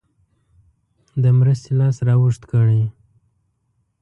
د مرستې لاس را اوږد کړي.